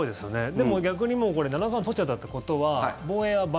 でも逆に七冠取っちゃったっていうことははい。